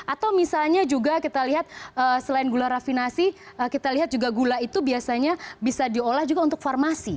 atau misalnya juga kita lihat selain gula rafinasi kita lihat juga gula itu biasanya bisa diolah juga untuk farmasi